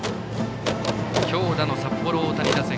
強打の札幌大谷打線。